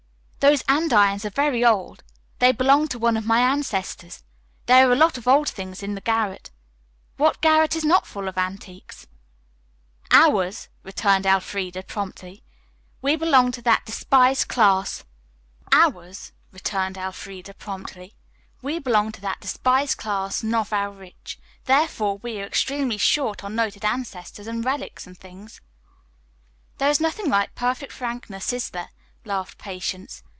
Those andirons are very old. They belonged to one of my ancestors. There are a lot of old things in the garret. What garret is not full of antiques?" "Ours," returned Elfreda promptly. "We belong to that despised class, 'nouveau riche,' therefore we are extremely short on noted ancestors and relics and things." "There is nothing like perfect frankness, is there?" laughed Patience.